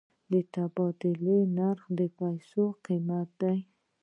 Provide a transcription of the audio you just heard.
د تبادلې نرخ د پیسو قیمت دی.